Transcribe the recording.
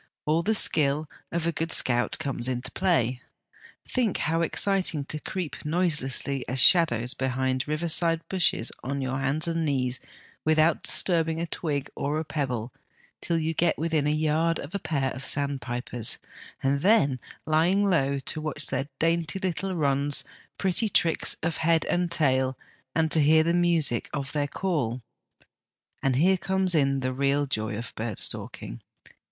All the skill of a good scout comes into play. Think, how exciting to creep noiselessly as shadows behind river side bushes on hands and knees without disturbing a twig or a pebble till you get within a yard of a pair of sandpipers, and then, lying low, to watch their dainty little runs, pretty tricks of head and tail, and to hear the music of their call. And here comes in the real joy of bird stalking.